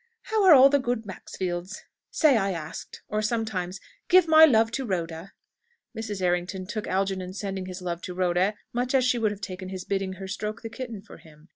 "How are all the good Maxfields? Say I asked." Or sometimes, "Give my love to Rhoda." Mrs. Errington took Algernon's sending his love to Rhoda much as she would have taken his bidding her stroke the kitten for him.